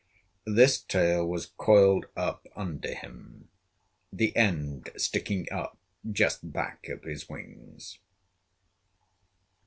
This tail was coiled up under him, the end sticking up just back of his wings.